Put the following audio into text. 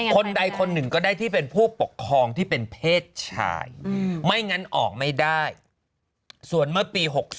คนใดคนหนึ่งก็ได้ที่เป็นผู้ปกครองที่เป็นเพศชายไม่งั้นออกไม่ได้ส่วนเมื่อปี๖๓